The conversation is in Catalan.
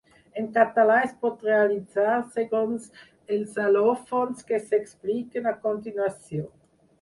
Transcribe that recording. En català es pot realitzar segons els al·lòfons que s'expliquen a continuació.